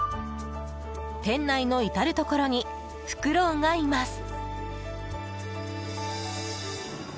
店内の至るところにフクロウがいます。